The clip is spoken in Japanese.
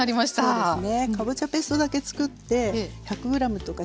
そうですね。